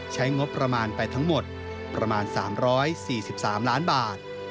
ใช้งบประมาณไปทั้งหมดประมาณ๓๔๓ล้านบาท